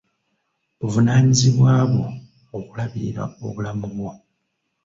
Buvunaanyizibwa bwo okulabirira obulamu bwo.